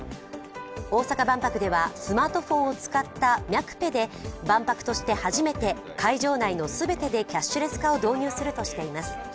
大阪万博ではスマートフォンを使ったミャクペ！で万博として初めて会場内の全てでキャッシュレス化を導入するとしています。